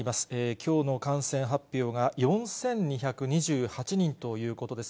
きょうの感染発表が４２２８人ということです。